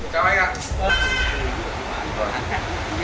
chào anh ạ